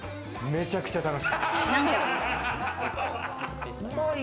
めちゃくちゃ楽しい。